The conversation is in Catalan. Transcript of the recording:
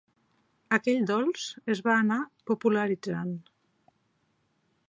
Aquell dolç es va anar popularitzant.